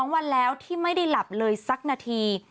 ๒วันแล้วที่ไม่ได้หลับเลยสักนาที